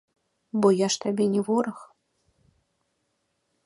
Бо я ж табе не вораг.